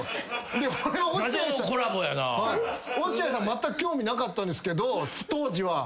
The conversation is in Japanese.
まったく興味なかったんですけど当時は。